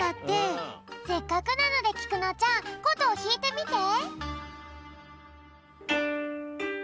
せっかくなのできくのちゃんことをひいてみて。